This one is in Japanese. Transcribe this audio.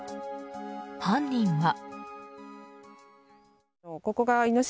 犯人は。